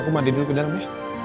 aku mandi dulu ke dalam ya